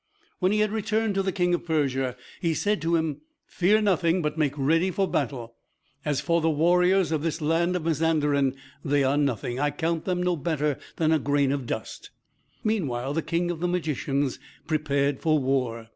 When he had returned to the King of Persia, he said to him, "Fear nothing, but make ready for battle. As for the warriors of this land of Mazanderan, they are nothing; I count them no better than a grain of dust." Meanwhile the king of the magicians prepared for war.